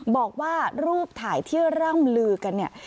บอกว่ารูปถ่ายที่ร่ำลือกันเนี่ย